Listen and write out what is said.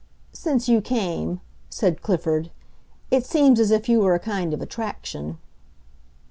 "Since you came," said Clifford. "It seems as if you were a kind of attraction."